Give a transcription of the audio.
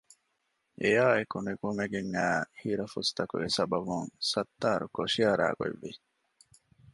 އެއާއެކު ނިކުމެގެން އައި ހިރަފުސްތަކުގެ ސަބަބުން ސައްތާރު ކޮށި އަރާ ގޮތް ވި